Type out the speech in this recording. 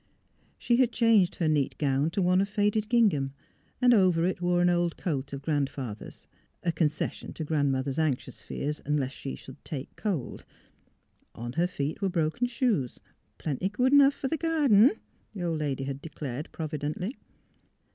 She had changed her neat gown to one of faded gingham, and over it wore an old coat of Grandfather's — a concession to Grand mother's anxious fears lest she should " take cold "; on her feet were broken shoes —" plenty good fer th' garden," the old lady had declared, providently.